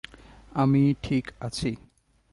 আমি ঠিক আছি।